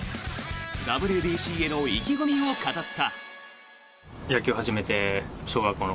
ＷＢＣへの意気込みを語った。